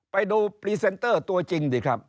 ไปดูพรีเซนเตอร์ตัวจริงดิครับ